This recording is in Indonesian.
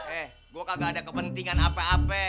eh gue kagak ada kepentingan apa apa